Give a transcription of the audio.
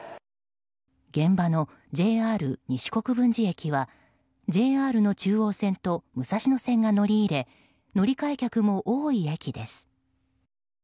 現場のＪＲ西国分寺駅はＪＲの中央線と武蔵野線が乗り入れ乗り換え客も多い駅です。